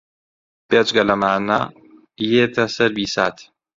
بێجگە لەمانە یێتە سەر بیسات